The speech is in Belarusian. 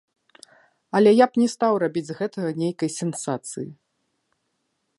Але я б не стаў рабіць з гэтага нейкай сенсацыі.